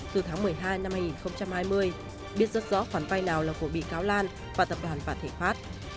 từ tháng một mươi hai năm hai nghìn hai mươi biết rất rõ khoản vai nào là của bị cáo lan và tập đoàn phản thể khoát